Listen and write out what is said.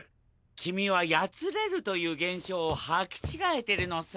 君はやつれるという現象を履き違えてるのさ。